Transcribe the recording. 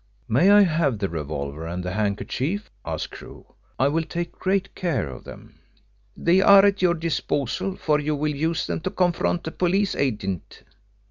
"May I have the revolver and the handkerchief?" asked Crewe. "I will take great care of them." "They are at your disposal, for you will use them to confront the police agent."